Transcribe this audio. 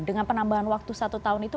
dengan penambahan waktu satu tahun itu